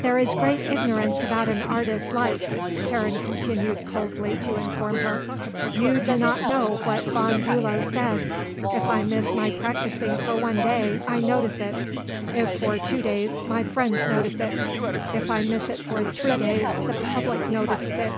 "There is great ignorance about an artist's life," Karen continued coldly to inform her. "Do you not know what von Bulow said: If I miss my practising for one day I notice it; if for two days my friends notice it; if I miss it for three days the public notices it.